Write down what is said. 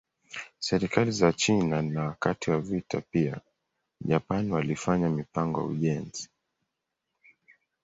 Serikali za China na wakati wa vita pia Japan walifanya mipango ya ujenzi.